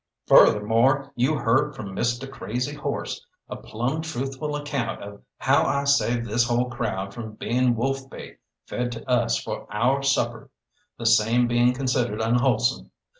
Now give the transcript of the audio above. Furthermore, you heard from Misteh Crazy Hoss a plumb truthful account of how I saved this whole crowd from being wolf bait fed to us for our supper the same being considered unwholesome.